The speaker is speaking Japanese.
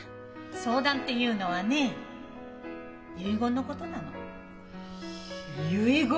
相談っていうのはね遺言のことなの。